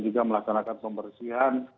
juga melaksanakan pembersihan